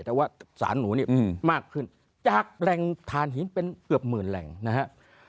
แต่ว่าสารหนูนี่มากขึ้นจากแหล่งทานหินเป็นเกือบหมื่นแหล่งนะครับ